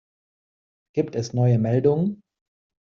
Gibt es neue Meldungen?